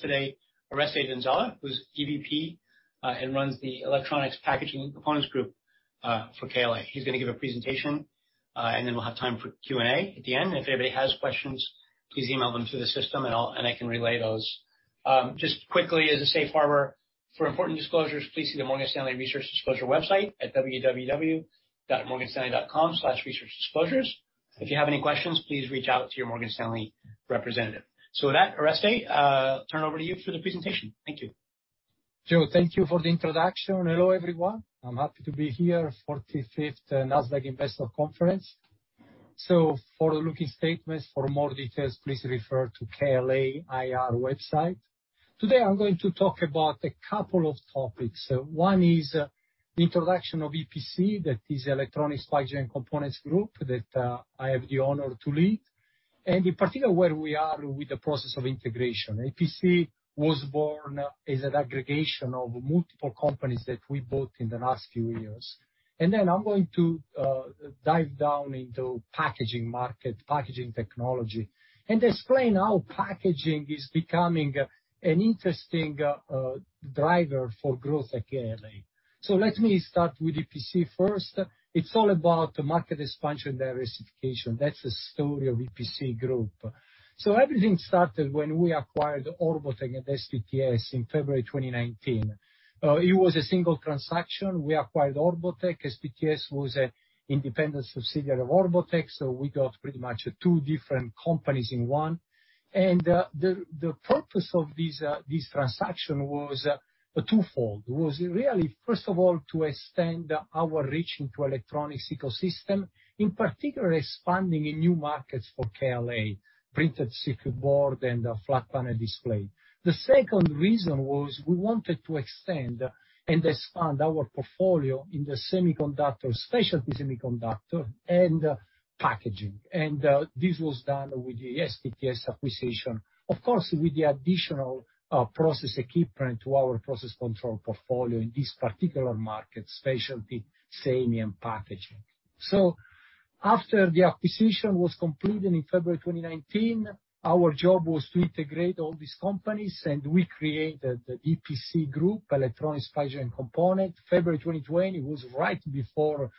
Today, Oreste Donzella, who's EVP, runs the Electronics Packaging Components group for KLA. He's going to give a presentation, and then we'll have time for Q&A at the end. If anybody has questions, please email them through the system and I can relay those. Just quickly as a safe harbor for important disclosures, please see the Morgan Stanley Research Disclosure website at www.morganstanley.com/researchdisclosures. If you have any questions, please reach out to your Morgan Stanley representative. With that, Oreste, turn it over to you for the presentation. Thank you. Joe, thank you for the introduction. Hello, everyone. I'm happy to be here, 45th Nasdaq Investor Conference. For looking statements, for more details, please refer to KLA IR website. Today, I'm going to talk about a couple of topics. One is introduction of EPC, that is Electronics Packaging and Components group that I have the honor to lead. In particular, where we are with the process of integration. EPC was born as an aggregation of multiple companies that we bought in the last few years. Then I'm going to dive down into packaging market, packaging technology, and explain how packaging is becoming an interesting driver for growth at KLA. Let me start with EPC first. It's all about market expansion diversification. That's the story of EPC group. Everything started when we acquired Orbotech and SPTS in February 2019. It was a single transaction. We acquired Orbotech. SPTS was an independent subsidiary of Orbotech, so we got pretty much two different companies in one. The purpose of this transaction was twofold. Was really, first of all, to extend our reach into electronics ecosystem, in particular expanding in new markets for KLA, printed circuit board and flat panel display. The second reason was we wanted to extend and expand our portfolio in the semiconductor, specialty semiconductor and packaging. This was done with the SPTS acquisition, of course, with the additional process equipment to our process control portfolio in this particular market, specialty semi and packaging. After the acquisition was completed in February 2019, our job was to integrate all these companies, and we created the EPC group, Electronics Packaging Component. February 2020 was right before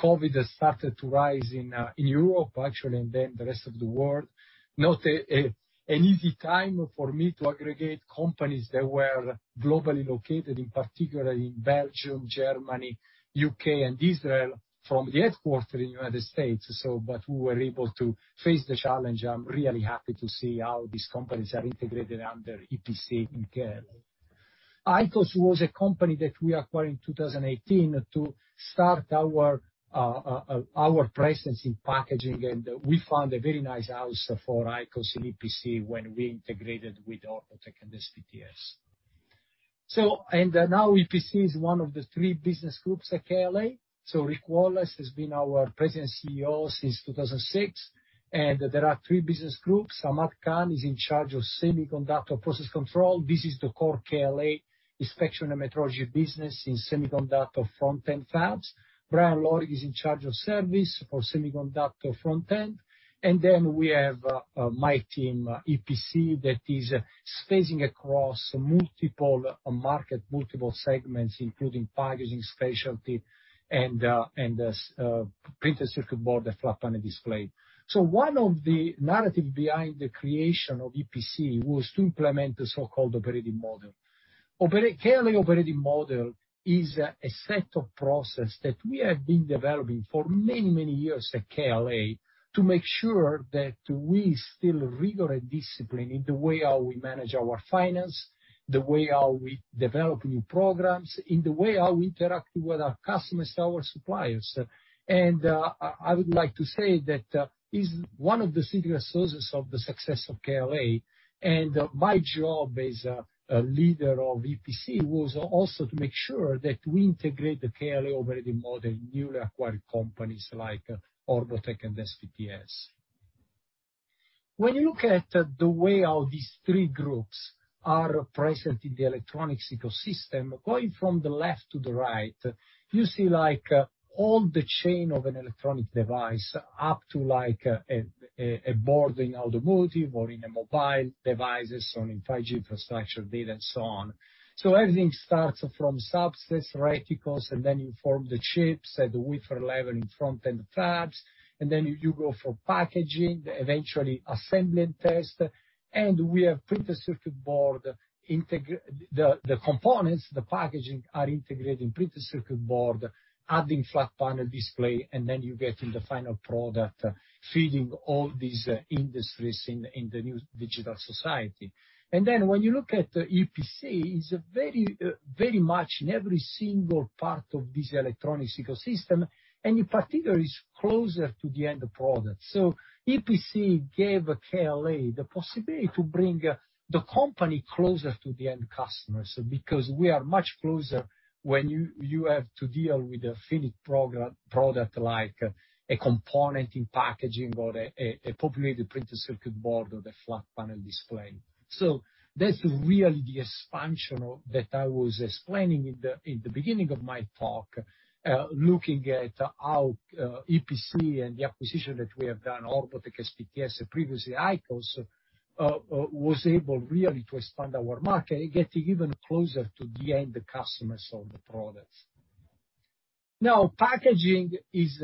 COVID started to rise in Europe, actually, and then the rest of the world. Not an easy time for me to aggregate companies that were globally located, in particular in Belgium, Germany, U.K., and Israel, from the headquarter in United States. But we were able to face the challenge. I'm really happy to see how these companies are integrated under EPC in KLA. ICOS was a company that we acquired in 2018 to start our presence in packaging, and we found a very nice house for ICOS and EPC when we integrated with Orbotech and SPTS. Now EPC is one of the three business groups at KLA. Rick Wallace has been our President CEO since 2006, and there are three business groups. Ahmad Khan is in charge of semiconductor process control. This is the core KLA inspection and metrology business in semiconductor front-end fabs. Brian Lorig is in charge of service for semiconductor front-end. We have my team, EPC, that is spanning across multiple markets, multiple segments, including packaging, specialty and printed circuit board and flat panel display. One of the narratives behind the creation of EPC was to implement the so-called operating model. KLA operating model is a set of processes that we have been developing for many, many years at KLA to make sure that we instill rigorous discipline in the way how we manage our finance, the way how we develop new programs, in the way how we interact with our customers, our suppliers. I would like to say that is one of the serious sources of the success of KLA. My job as a leader of EPC was also to make sure that we integrate the KLA operating model in newly acquired companies like Orbotech and SPTS. When you look at the way how these three groups are present in the electronics ecosystem, going from the left to the right, you see all the chain of an electronic device up to a board in automotive or in mobile devices or in 5G infrastructure data and so on. Everything starts from substrates, reticles, you form the chips at the wafer level in front-end fabs, you go for packaging, eventually assembly and test. We have printed circuit board, the components, the packaging are integrated in printed circuit board, adding flat panel displays, you get to the final product, feeding all these industries in the new digital society. When you look at EPC, it's very much in every single part of this electronics ecosystem, and in particular, it's closer to the end product. EPC gave KLA the possibility to bring the company closer to the end customer, because we are much closer when you have to deal with a finished product like a component in packaging or a populated printed circuit board or the flat panel display. That's really the expansion that I was explaining in the beginning of my talk, looking at how EPC and the acquisition that we have done, Orbotech, SPTS, and previously ICOS, was able really to expand our market and get even closer to the end customers of the products. Now, packaging is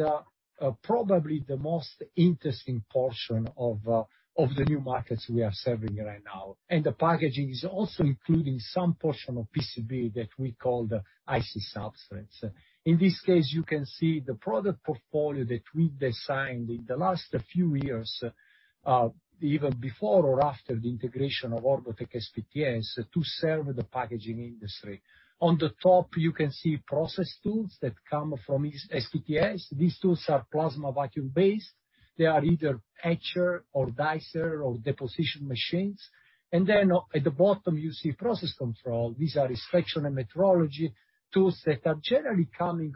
probably the most interesting portion of the new markets we are serving right now. The packaging is also including some portion of PCB that we call the IC substrates. In this case, you can see the product portfolio that we designed in the last few years, even before or after the integration of Orbotech and SPTS, to serve the packaging industry. On the top, you can see process tools that come from SPTS. These tools are plasma vacuum-based. They are either etchers or dicers or deposition machines. At the bottom, you see process control. These are inspection and metrology tools that are generally coming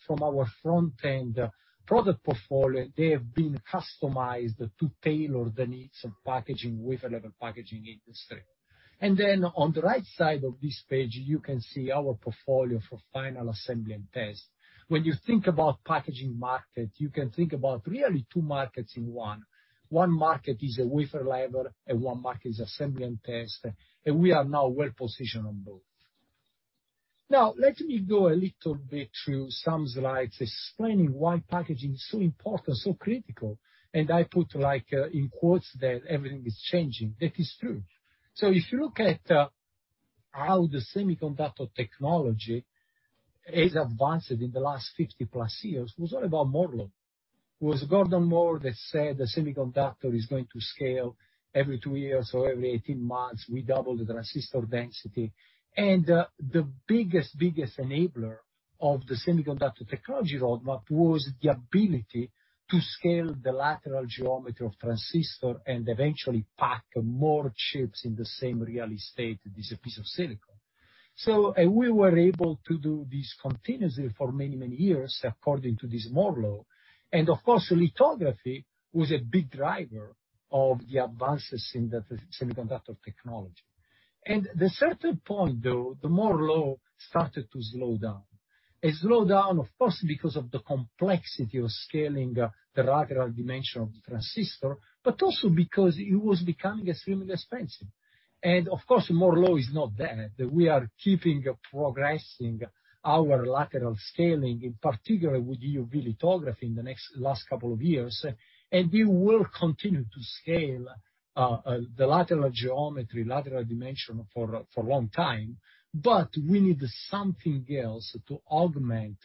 from our front-end product portfolio. They have been customized to tailor the needs of packaging within the packaging industry. On the right side of this page, you can see our portfolio for final assembly and test. When you think about packaging market, you can think about really two markets in one. One market is a wafer level, and one market is assembly and test, and we are now well positioned on both. Let me go a little bit through some slides explaining why packaging is so important, so critical. I put in quotes that everything is changing. That is true. If you look at how the semiconductor technology has advanced in the last 50-plus years, it was all about Moore's Law. It was Gordon Moore that said the semiconductor is going to scale every two years or every 18 months. We double the transistor density. The biggest enabler of the semiconductor technology roadmap was the ability to scale the lateral geometry of transistor and eventually pack more chips in the same real estate. It is a piece of silicon. We were able to do this continuously for many years according to this Moore's Law. Of course, lithography was a big driver of the advances in the semiconductor technology. At a certain point, though, the Moore's Law started to slow down. It slowed down, of course, because of the complexity of scaling the lateral dimension of the transistor, but also because it was becoming extremely expensive. Of course, Moore's Law is not dead. We are keeping progressing our lateral scaling, in particular with EUV lithography in the last couple of years. We will continue to scale the lateral geometry, lateral dimension for a long time, but we need something else to augment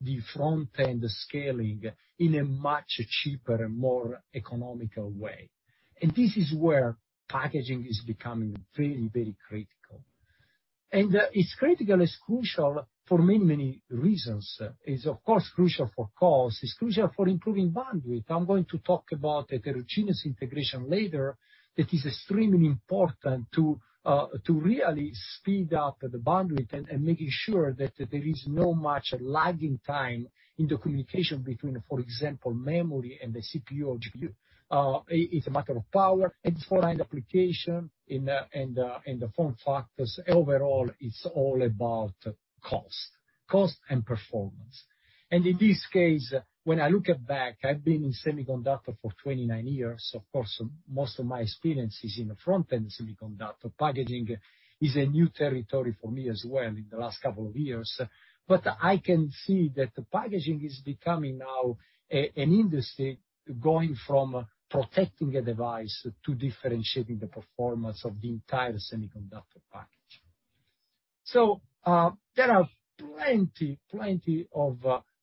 the front-end scaling in a much cheaper and more economical way. This is where packaging is becoming very critical. It's critical, it's crucial for many reasons. It's, of course, crucial for cost. It's crucial for improving bandwidth. I'm going to talk about heterogeneous integration later. It is extremely important to really speed up the bandwidth and making sure that there is not much lagging time in the communication between, for example, memory and the CPU or GPU. It's a matter of power and for end application and the form factors. Overall, it's all about cost. Cost and performance. In this case, when I look at back, I've been in semiconductor for 29 years. Of course, most of my experience is in the front-end semiconductor. Packaging is a new territory for me as well in the last couple of years. I can see that the packaging is becoming now an industry going from protecting a device to differentiating the performance of the entire semiconductor package. There are plenty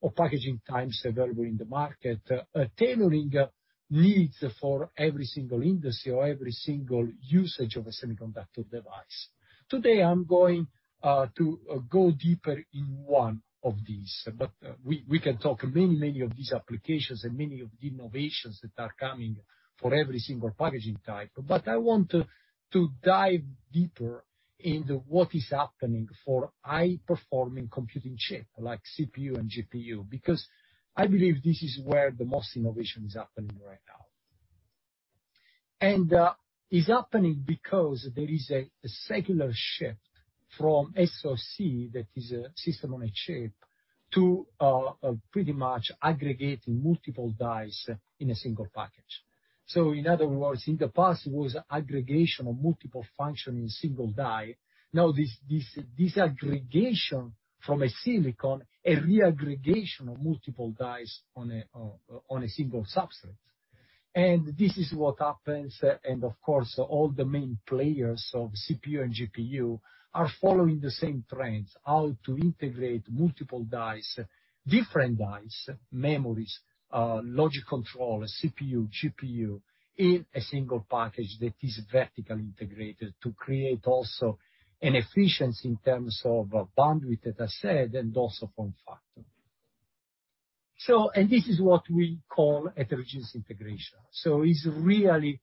of packaging types available in the market, tailoring needs for every single industry or every single usage of a semiconductor device. Today, I'm going to go deeper in one of these, but we can talk many of these applications and many of the innovations that are coming for every single packaging type. I want to dive deeper into what is happening for high-performing computing chip, like CPU and GPU, because I believe this is where the most innovation is happening right now. It's happening because there is a secular shift from SoC, that is a system on a chip, to pretty much aggregating multiple dies in a single package. In other words, in the past, it was aggregation of multiple function in single die. Now, this disaggregation from a silicon, a reaggregation of multiple dies on a single substrate. This is what happens, of course, all the main players of CPU and GPU are following the same trends, how to integrate multiple dies, different dies, memories, logic control, CPU, GPU in a single package that is vertically integrated to create also an efficiency in terms of bandwidth, as I said, and also form factor. This is what we call heterogeneous integration. It's really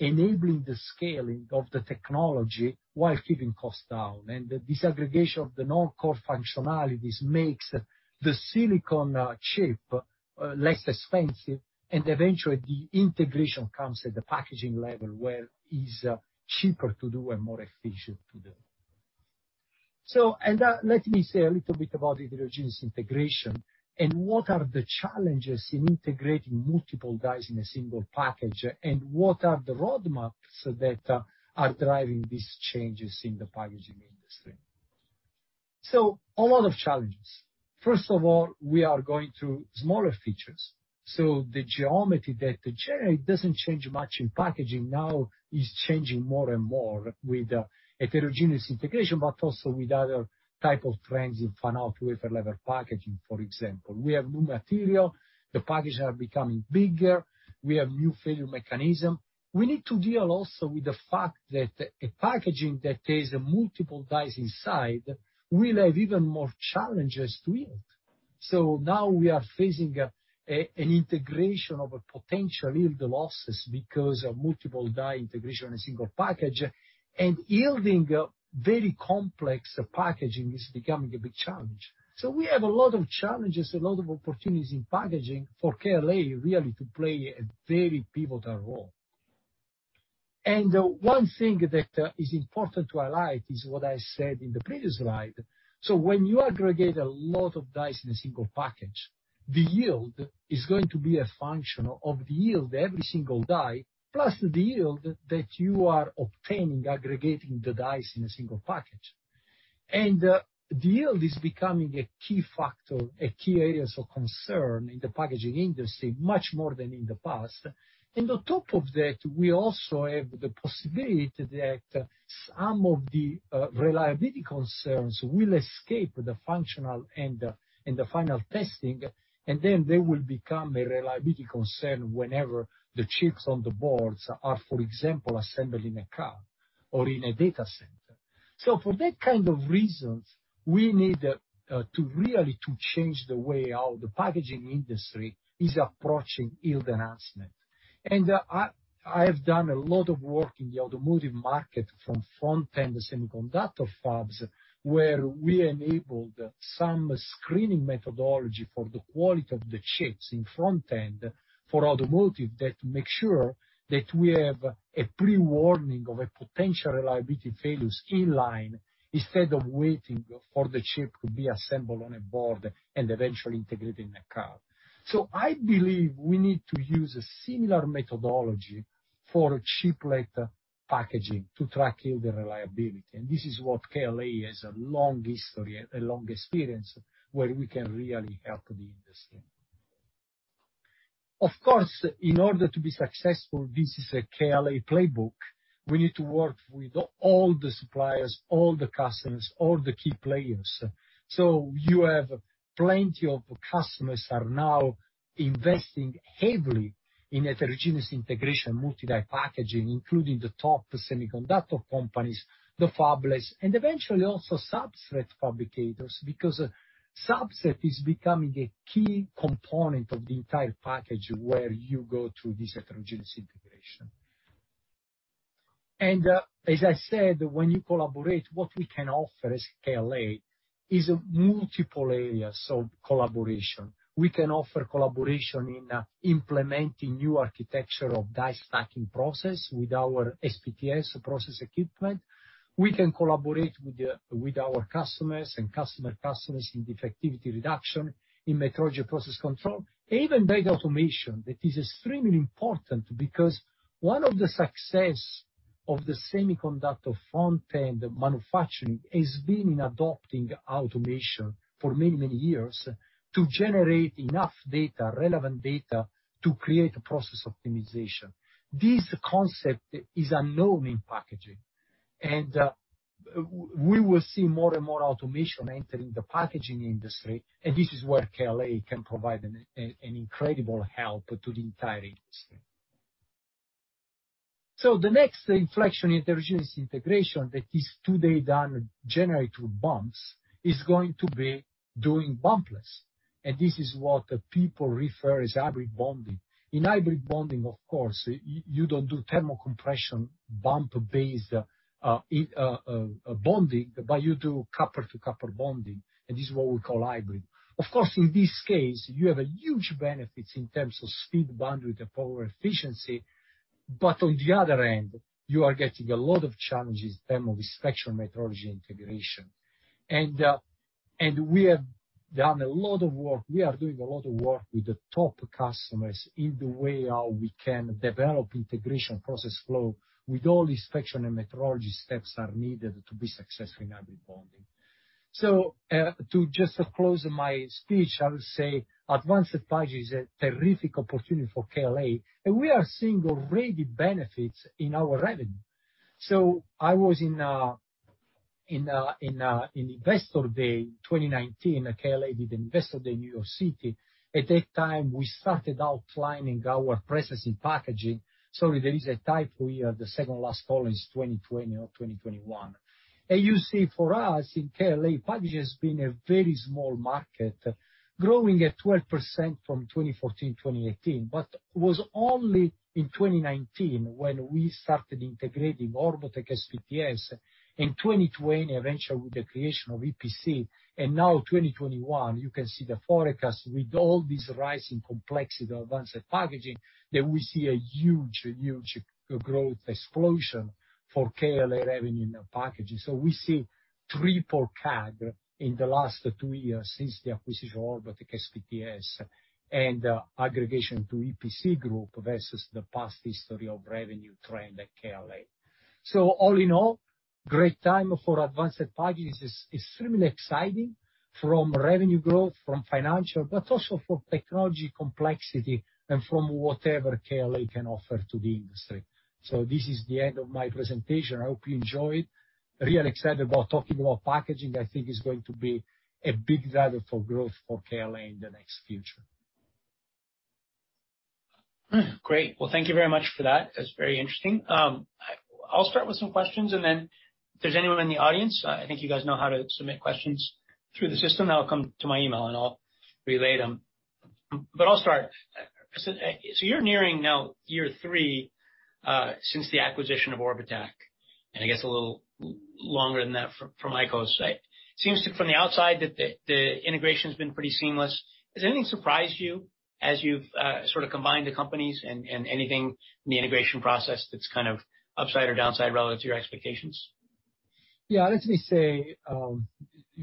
enabling the scaling of the technology while keeping costs down. The disaggregation of the non-core functionalities makes the silicon chip less expensive, eventually, the integration comes at the packaging level, where it's cheaper to do and more efficient to do. Let me say a little bit about heterogeneous integration. What are the challenges in integrating multiple dies in a single package? What are the roadmaps that are driving these changes in the packaging industry? A lot of challenges. First of all, we are going to smaller features. The geometry that generate doesn't change much in packaging now, is changing more and more with heterogeneous integration, but also with other type of trends in fan-out wafer-level packaging, for example. We have new material. The packages are becoming bigger. We have new failure mechanism. We need to deal also with the fact that a packaging that has multiple dies inside will have even more challenges to yield. Now we are facing an integration of a potential yield losses because of multiple die integration in a single package, and yielding very complex packaging is becoming a big challenge. We have a lot of challenges, a lot of opportunities in packaging for KLA really to play a very pivotal role. One thing that is important to highlight is what I said in the previous slide. When you aggregate a lot of dies in a single package, the yield is going to be a function of the yield every single die, plus the yield that you are obtaining aggregating the dies in a single package. The yield is becoming a key factor, a key area of concern in the packaging industry much more than in the past. On top of that, we also have the possibility that some of the reliability concerns will escape the functional and the final testing, then they will become a reliability concern whenever the chips on the boards are, for example, assembled in a car or in a data center. For that kind of reasons, we need to really to change the way how the packaging industry is approaching yield enhancement. I have done a lot of work in the automotive market from front-end semiconductor fabs, where we enabled some screening methodology for the quality of the chips in front-end for automotive, that make sure that we have a pre-warning of a potential reliability failures in line, instead of waiting for the chip to be assembled on a board and eventually integrated in a car. I believe we need to use a similar methodology for chiplet packaging to track yield and reliability. This is what KLA has a long history, a long experience where we can really help the industry. Of course, in order to be successful, this is a KLA playbook. We need to work with all the suppliers, all the customers, all the key players. You have plenty of customers are now investing heavily in heterogeneous integration, multi-die packaging, including the top semiconductor companies, the fabless, and eventually also substrate fabricators, because substrate is becoming a key component of the entire package where you go to this heterogeneous integration. As I said, when you collaborate, what we can offer as KLA is multiple areas of collaboration. We can offer collaboration in implementing new architecture of die stacking process with our SPTS process equipment. We can collaborate with our customers and customer customers in defectivity reduction, in metrology process control, even data automation. That is extremely important because one of the success of the semiconductor front-end manufacturing has been in adopting automation for many, many years to generate enough data, relevant data, to create a process optimization. This concept is unknown in packaging. We will see more and more automation entering the packaging industry, and this is where KLA can provide an incredible help to the entire industry. The next inflection, heterogeneous integration that is today done generally through bumps is going to be doing bump less. This is what people refer as hybrid bonding. In hybrid bonding, of course, you don't do Thermocompression bonding bump-based bonding, but you do copper-to-copper bonding, and this is what we call hybrid. Of course, in this case, you have a huge benefits in terms of speed, bandwidth, and power efficiency. On the other end, you are getting a lot of challenges, thermal inspection, metrology, integration. We are doing a lot of work with the top customers in the way how we can develop integration process flow with all the inspection and metrology steps are needed to be successful in hybrid bonding. To just close my speech, I would say advanced package is a terrific opportunity for KLA, and we are seeing already benefits in our revenue. I was in Investor Day 2019. KLA did Investor Day in New York City. At that time, we started outlining our presence in packaging. Sorry, there is a typo here. The second last column is 2020 or 2021. You see for us in KLA, packaging has been a very small market, growing at 12% from 2014 to 2018, but was only in 2019 when we started integrating Orbotech, SPTS, in 2020, eventually with the creation of EPC. Now 2021, you can see the forecast with all these rising complexity of advanced packaging, that we see a huge, huge growth explosion for KLA revenue in the packaging. We see Triple CAGR in the last two years since the acquisition Orbotech SPTS, and aggregation to EPC group versus the past history of revenue trend at KLA. All in all, great time for advanced packages. It's extremely exciting from revenue growth, from financial, but also for technology complexity and from whatever KLA can offer to the industry. This is the end of my presentation. I hope you enjoyed. Real excited about talking about packaging. I think it's going to be a big driver for growth for KLA in the next future. Great. Well, thank you very much for that. That's very interesting. I'll start with some questions. If there's anyone in the audience, I think you guys know how to submit questions through the system. That'll come to my email, and I'll relay them. I'll start. You're nearing now year three, since the acquisition of Orbotech, and I guess a little longer than that for ICOS. Seems, from the outside, that the integration's been pretty seamless. Has anything surprised you as you've sort of combined the companies and anything in the integration process that's kind of upside or downside relative to your expectations? Yeah. Let me say,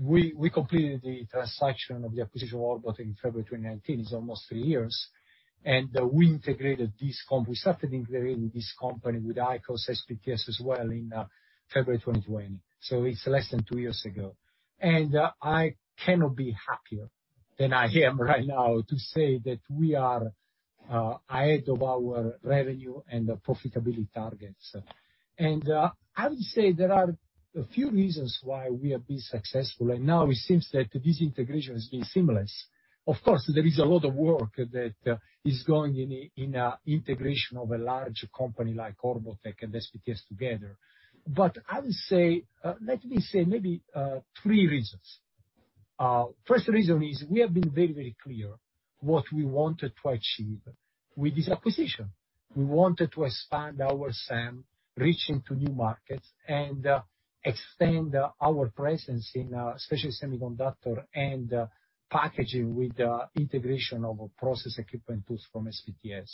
we completed the transaction of the acquisition of Orbotech in February 2019. It's almost three years. We integrated this company, started integrating this company with ICOS SPTS as well in February 2020, so it's less than two years ago. I cannot be happier than I am right now to say that we are ahead of our revenue and profitability targets. I would say there are a few reasons why we have been successful. Right now, it seems that this integration has been seamless. Of course, there is a lot of work that is going in the integration of a large company like Orbotech and SPTS together. I would say, let me say maybe, three reasons. First reason is we have been very clear what we wanted to achieve with this acquisition. We wanted to expand our SAM, reach into new markets, and expand our presence in specialty semiconductor and packaging with the integration of a process equipment tools from SPTS.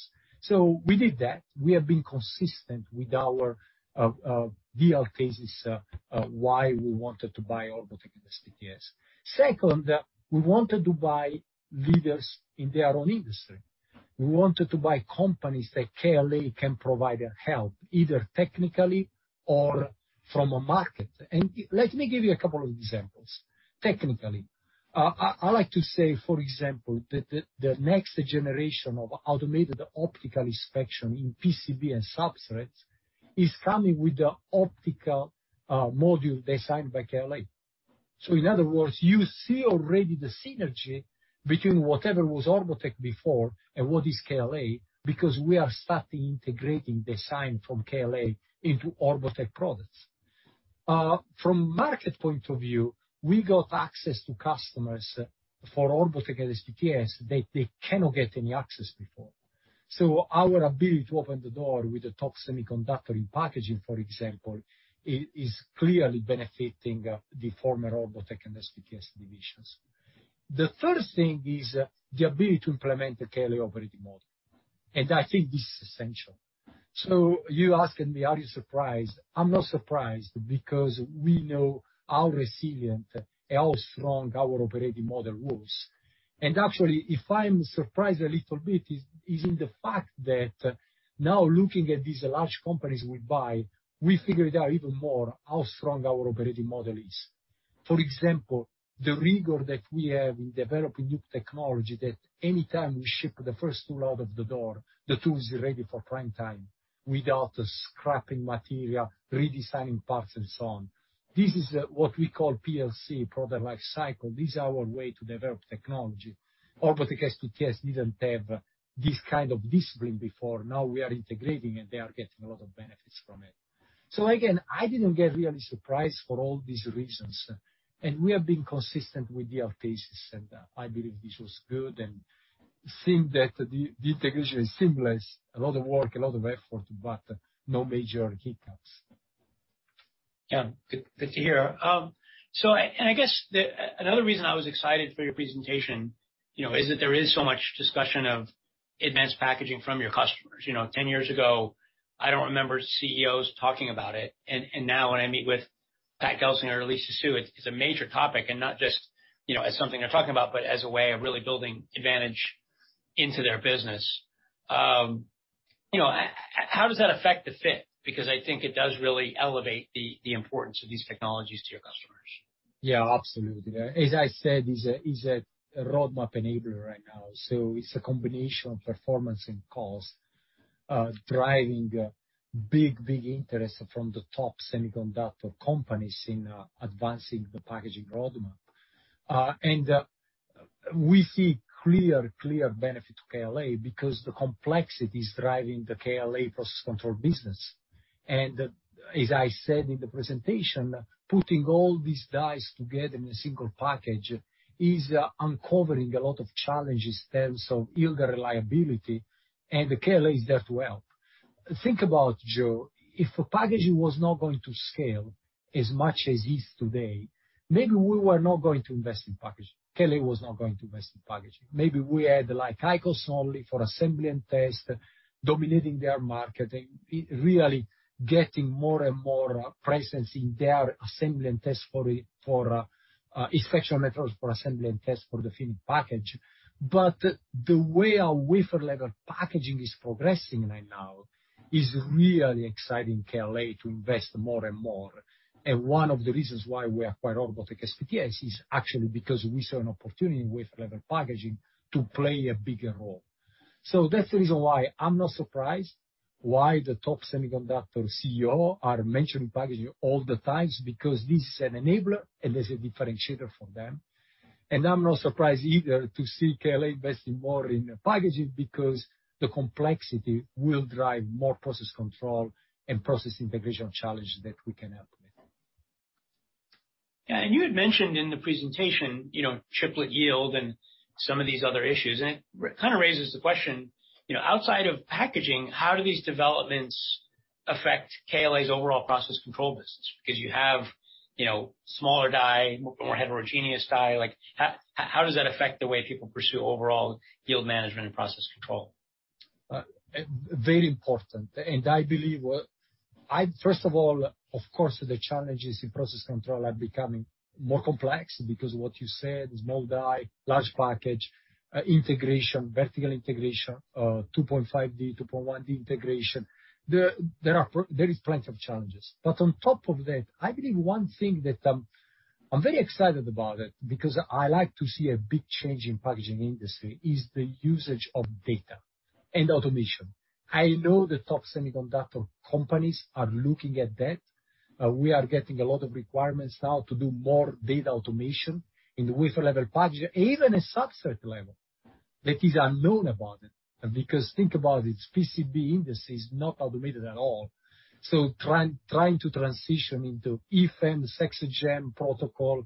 We did that. We have been consistent with our deal thesis, why we wanted to buy Orbotech and SPTS. Second, we wanted to buy leaders in their own industry. We wanted to buy companies that KLA can provide help, either technically or from a market. Let me give you a couple of examples. Technically, I like to say, for example, the next generation of Automated optical inspection in PCB and substrates is coming with the optical module designed by KLA. In other words, you see already the synergy between whatever was Orbotech before and what is KLA because we are starting integrating design from KLA into Orbotech products. From market point of view, we got access to customers for Orbotech and SPTS that they cannot get any access before. Our ability to open the door with the top semiconductor in packaging, for example, is clearly benefiting, the former Orbotech and SPTS divisions. The third thing is the ability to implement the KLA operating model, I think this is essential. You asking me, are you surprised? I'm not surprised because we know how resilient, how strong our operating model was. Actually, if I'm surprised a little bit is in the fact that now looking at these large companies we buy, we figured out even more how strong our operating model is. For example, the rigor that we have in developing new technology that anytime we ship the first tool out of the door, the tool is ready for prime time without scrapping material, redesigning parts and so on. This is what we call PLC, product life cycle. This is our way to develop technology. Orbotech, SPTS didn't have this kind of discipline before. Now we are integrating, and they are getting a lot of benefits from it. Again, I didn't get really surprised for all these reasons. We have been consistent with the thesis. I believe this was good and think that the integration is seamless. A lot of work, a lot of effort. No major hiccups. Yeah. Good to hear. I guess another reason I was excited for your presentation, you know, is that there is so much discussion of advanced packaging from your customers. You know, 10 years ago, I don't remember CEOs talking about it. Now when I meet with Pat Gelsinger or Lisa Su, it's a major topic and not just, you know, as something they're talking about, but as a way of really building advantage into their business. How does that affect the fit? I think it does really elevate the importance of these technologies to your customers. Yeah, absolutely. As I said, it's a roadmap enabler right now. It's a combination of performance and cost, driving big interest from the top semiconductor companies in advancing the packaging roadmap. We see clear benefit to KLA because the complexity is driving the KLA process control business. As I said in the presentation, putting all these dies together in a single package is uncovering a lot of challenges in terms of yield reliability. KLA is there to help. Think about, Joe, if packaging was not going to scale as much as it is today, maybe we were not going to invest in packaging. KLA was not going to invest in packaging. Maybe we had like ICOS only for assembly and test dominating their market, getting more and more presence in their assembly and test for inspection methods for assembly and test for the finished package. The way our wafer level packaging is progressing right now is really exciting KLA to invest more and more. One of the reasons why we acquired Orbotech SPTS is actually because we saw an opportunity with wafer level packaging to play a bigger role. That's the reason why I'm not surprised why the top semiconductor CEOs are mentioning packaging all the times, because this is an enabler and is a differentiator for them. I'm not surprised either to see KLA investing more in packaging, because the complexity will drive more process control and process integration challenge that we can help with. Yeah. You had mentioned in the presentation, chiplet yield and some of these other issues. It kind of raises the question, outside of packaging, how do these developments affect KLA's overall process control business? Because you have smaller die, more heterogeneous die. How does that affect the way people pursue overall yield management and process control? Very important. I believe, first of all, of course, the challenges in process control are becoming more complex because what you said, small die, large package, integration, vertical integration, 2.5D, 2.1D integration. There is plenty of challenges. On top of that, I believe one thing that I'm very excited about it, because I like to see a big change in packaging industry, is the usage of data and automation. I know the top semiconductor companies are looking at that. We are getting a lot of requirements now to do more data automation in the wafer level package, even a substrate level that is unknown about it. Think about it, PCB industry is not automated at all. Trying to transition into EFEM, SECS/GEM protocol,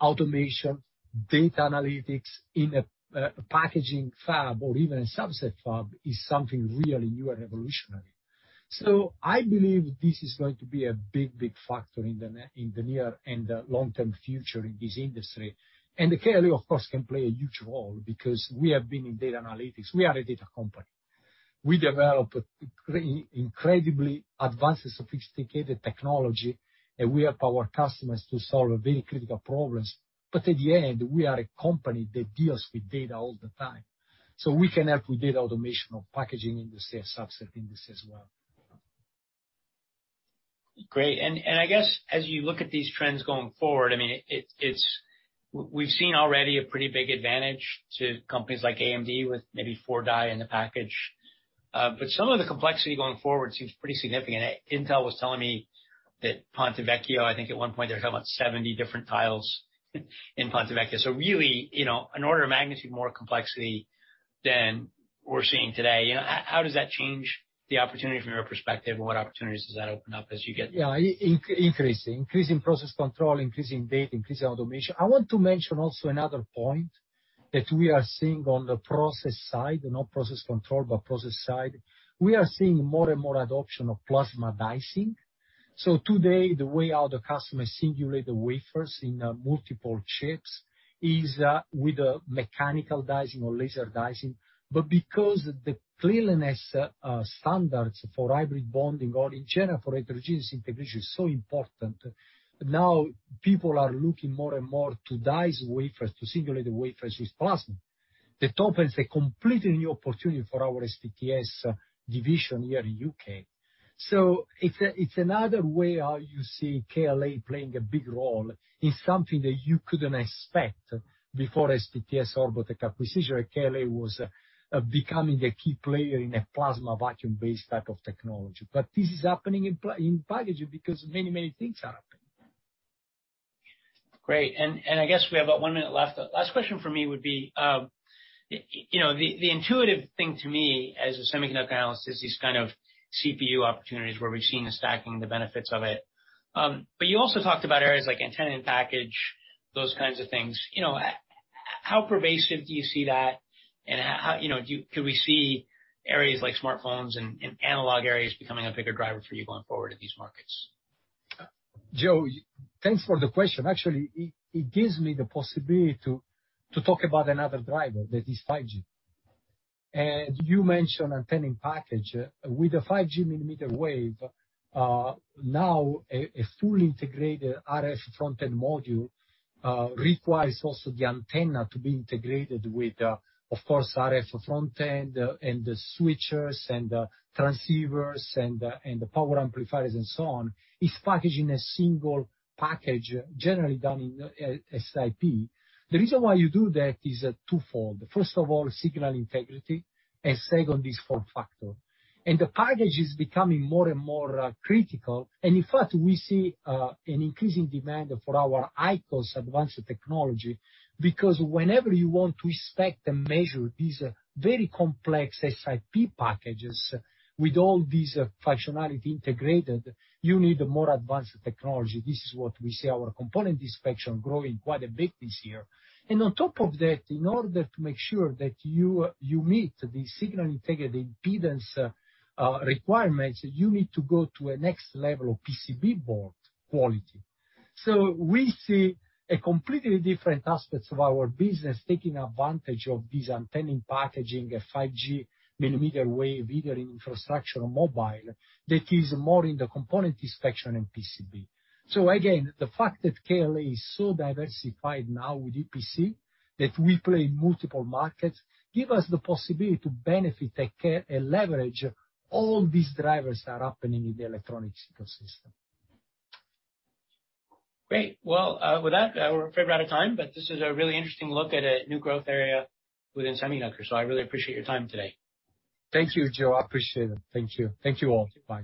automation, data analytics in a packaging fab or even a substrate fab is something really new and revolutionary. I believe this is going to be a big factor in the near and the long-term future in this industry. KLA, of course, can play a huge role because we have been in data analytics. We are a data company. We develop incredibly advanced, sophisticated technology, and we help our customers to solve very critical problems. At the end, we are a company that deals with data all the time. We can help with data automation of packaging industry and substrate industry as well. Great. I guess as you look at these trends going forward, we've seen already a pretty big advantage to companies like AMD with maybe four die in the package. Some of the complexity going forward seems pretty significant. Intel was telling me that Ponte Vecchio, I think at one point they were talking about 70 different tiles in Ponte Vecchio. Really, an order of magnitude more complexity than we're seeing today. How does that change the opportunity from your perspective? What opportunities does that open up as you get- Yeah, increasing. Increasing process control, increasing data, increasing automation. I want to mention also another point that we are seeing on the process side, not process control, but process side. We are seeing more and more adoption of plasma dicing. Today, the way how the customer singulate the wafers in multiple chips is with a mechanical dicing or laser dicing. Because the cleanliness standards for hybrid bonding or in general for heterogeneous integration is so important, now people are looking more and more to dice wafers, to singulate the wafers with plasma. That opens a completely new opportunity for our SPTS division here in U.K. It's another way how you see KLA playing a big role in something that you couldn't expect before SPTS Orbotech acquisition. KLA was becoming a key player in a plasma vacuum-based type of technology. This is happening in packaging because many things are happening. Great. I guess we have about one minute left. Last question from me would be, the intuitive thing to me as a semiconductor analyst is these kind of CPU opportunities where we've seen the stacking and the benefits of it. You also talked about areas like antenna in package, those kinds of things. How pervasive do you see that, and could we see areas like smartphones and analog areas becoming a bigger driver for you going forward in these markets? Joe, thanks for the question. Actually, it gives me the possibility to talk about another driver that is 5G. You mentioned antenna in package. With the 5G millimeter wave, now a fully integrated RF front-end module, requires also the antenna to be integrated with, of course, RF front-end, and the switchers, and the transceivers, and the power amplifiers, and so on, is packaged in a single package, generally done in SIP. The reason why you do that is twofold. First of all, signal integrity, and second is form factor. The package is becoming more and more critical. In fact, we see an increasing demand for our ICOS advanced technology because whenever you want to inspect and measure these very complex SIP packages with all these functionality integrated, you need a more advanced technology. This is what we see our component inspection growing quite a bit this year. On top of that, in order to make sure that you meet the signal integrity impedance requirements, you need to go to a next level of PCB board quality. We see a completely different aspects of our business taking advantage of this antenna and packaging a 5G millimeter wave, either in infrastructure or mobile, that is more in the component inspection and PCB. Again, the fact that KLA is so diversified now with EPC, that we play in multiple markets, give us the possibility to benefit and leverage all these drivers that are happening in the electronics ecosystem. Great. Well, with that, we're afraid we're out of time, this is a really interesting look at a new growth area within semiconductors, I really appreciate your time today. Thank you, Joe. I appreciate it. Thank you. Thank you, all. Bye